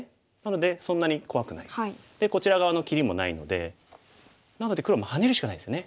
でこちら側の切りもないのでなので黒もハネるしかないですよね。